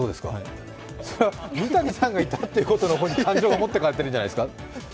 それは三谷さんがいたっていうことの方に感情が持っていかれてるんじゃないですか？